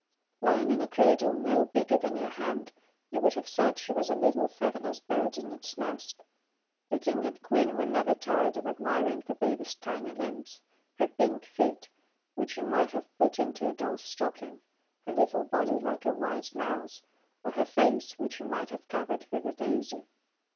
Lying in a cradle no bigger than your hand, you would have said she was a little featherless bird in its nest. The King and Queen were never tired of admiring the baby's tiny limbs; her pink feet, which you might have put into a doll's stocking ; her little body, like a white mouse ; or her face, which you might have covered with a daisy.